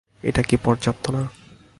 এটা কি পর্যাপ্ত না?